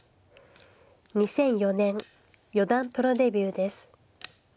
２００４年四段プロデビューです。